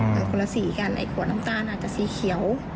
แต่คนละสีกันไอ้ขวดน้ำตาลอาจจะสีเขียว